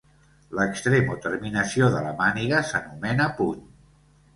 L'extrem o terminació de la màniga s'anomena puny.